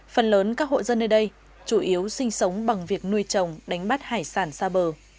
phần lớn các hộ dân nơi đây chủ yếu sinh sống bằng việc nuôi trồng đánh bắt hải sản xa bờ